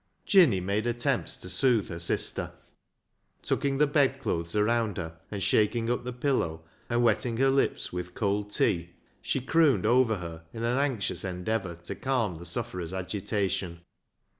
Jinny made attempts to soothe her sister. Tucking the bedclothes around her and shaking up the pillow, and wetting her lips with cold tea, she crooned over her in an anxious endeavour to calm the sufferer's agitation.